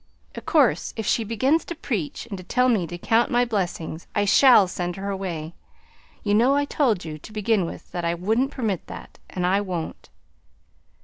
"Of course if she begins to preach, and to tell me to count my blessings, I SHALL send her away. You know I told you, to begin with, that I wouldn't permit that. And I won't.